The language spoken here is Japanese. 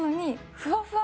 ふわふわ？